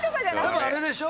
多分あれでしょ？